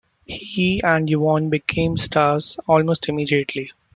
He and Yvonne become stars almost immediately.